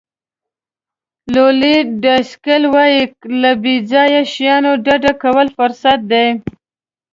لولي ډاسکل وایي له بې ځایه شیانو ډډه کول فرصت دی.